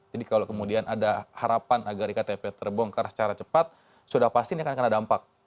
jadi kalau kemudian ada harapan agar iktp terbongkar secara cepat sudah pasti ini akan ada dampak